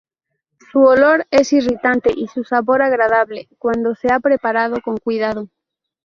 Su olor es irritante y su sabor agradable cuando se ha preparado con cuidado.